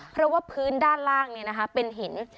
เพราะว่าพื้นด้านล่างเนี่ยนะคะเป็นหิน